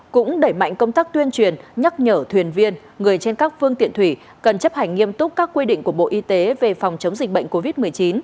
cũng đẩy mạnh công tác tuyên truyền nhắc nhở thuyền viên người trên các phương tiện thủy cần chấp hành nghiêm túc các quy định của bộ y tế về phòng chống dịch bệnh covid một mươi chín